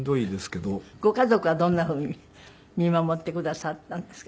ご家族はどんなふうに見守ってくださったんですか？